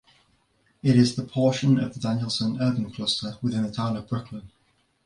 It is the portion of the Danielson urban cluster within the town of Brooklyn.